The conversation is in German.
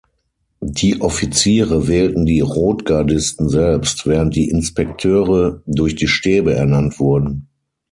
Die Offiziere wählten die Rotgardisten selbst, während die Inspekteure durch die Stäbe ernannt wurden.